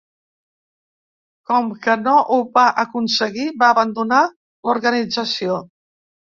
Com que no ho va aconseguir, va abandonar l’organització.